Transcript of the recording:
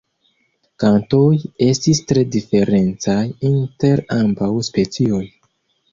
Kantoj estis tre diferencaj inter ambaŭ specioj.